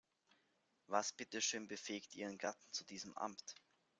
Was bitte schön befähigt ihren Gatten zu diesem Amt?